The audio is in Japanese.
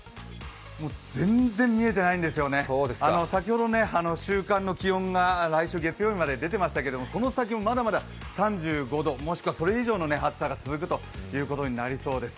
全然見えてないんですよね、先ほど週間の気温が来週月曜日まで出ていましたけれどもその先もまだまだ３５度もしくはそれ以上の暑さが続くことになりそうです。